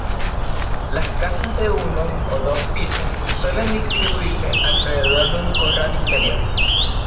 Las casas, de uno o dos pisos suelen distribuirse alrededor de un corral interior.